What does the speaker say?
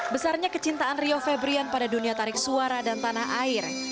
besarnya kecintaan rio febrian pada dunia tarik suara dan tanah air